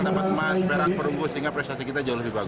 dapat emas perak perunggu sehingga prestasi kita jauh lebih bagus